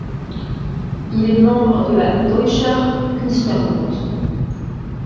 Il est membre de la Deutscher Künstlerbund.